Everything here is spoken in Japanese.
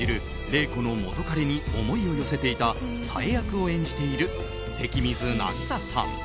麗子の元カレに思いを寄せていた紗英役を演じている関水渚さん。